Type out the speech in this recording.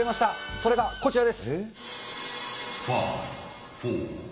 それがこちらです。